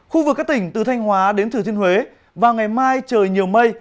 khu vực các tỉnh từ thanh hóa đến thừa thiên huế vào ngày mai trời nhiều mây